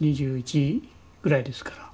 ２１ぐらいですから。